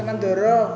om kaya gerasem'ih